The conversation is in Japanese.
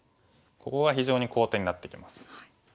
ここが非常に好点になってきます。